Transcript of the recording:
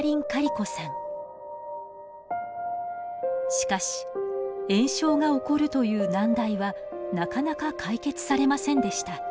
しかし炎症が起こるという難題はなかなか解決されませんでした。